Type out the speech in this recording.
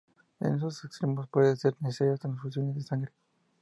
En casos extremos puede ser necesaria transfusiones de sangre.